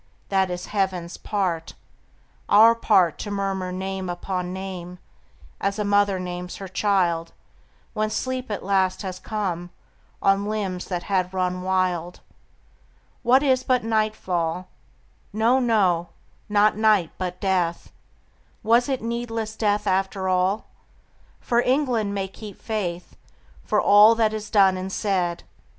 That is heaven's part, our part To murmur name upon name, As a mother names her child When sleep at last has come On limbs that had run wild. What is it but nightfall? No, no, not night but death; Was it needless death after all? For England may keep faith For all that is done and said.